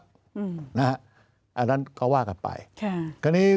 อันนั้นก็ว่ากันไป